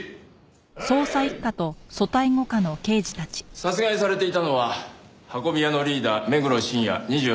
殺害されていたのは運び屋のリーダー目黒真也２８歳。